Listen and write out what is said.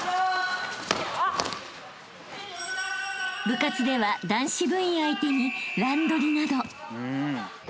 ［部活では男子部員相手に乱取りなど］